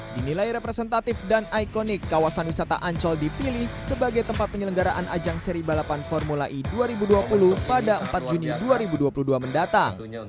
dinilai representatif dan ikonik kawasan wisata ancol dipilih sebagai tempat penyelenggaraan ajang seri balapan formula e dua ribu dua puluh pada empat juni dua ribu dua puluh dua mendatang